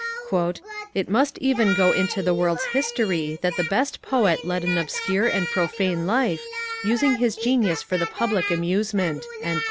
^^ It must even go into the world's history that the best poet led an obscure and profane life, using his genius for the public amusement."